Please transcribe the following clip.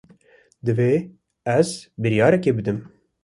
Divê ez biryarekê bidim.